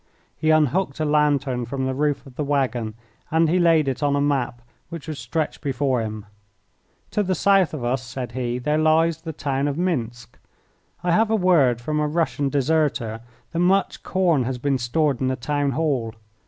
He unhooked a lantern from the roof of the waggon and he laid it on a map which was stretched before him. "To the south of us," said he, "there lies the town of Minsk. I have word from a Russian deserter that much corn has been stored in the town hall.